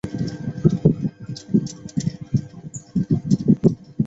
艾夏是德国巴伐利亚州的一个市镇。